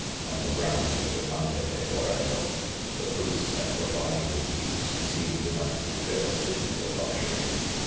■''On the grounds of the " Conde de } Loreto" the fruits that were lying in heaps, seemed enough to fill a city with luxury.